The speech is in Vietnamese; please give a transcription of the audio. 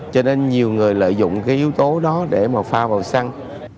cho nên nhiều người lợi dụng cái yếu tố đó để mà pha vào xăng